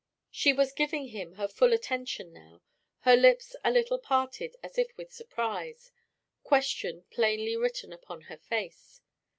She was giving him her full attention now, her lips a little parted as if with surprise, question plainly written upon her face.